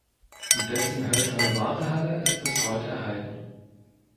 Dessen hölzerne Wartehalle ist bis heute erhalten.